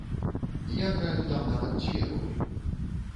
Я граю там нават дзве ролі.